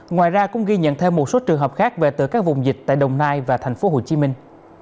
ngoài ra cũng ghi nhận thêm một số trường hợp khác về từ các vùng dịch tại đồng nai và thành phố hồ chí minh